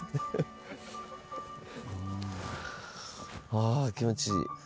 あ気持ちいい。